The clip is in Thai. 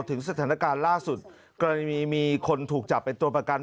ถึงสถานการณ์ล่าสุดกรณีมีคนถูกจับเป็นตัวประกัน